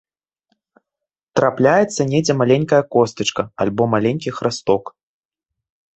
Трапляецца недзе маленькая костачка, альбо маленькі храсток.